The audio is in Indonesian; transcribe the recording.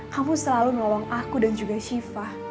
kamu selalu nolong aku dan juga shiva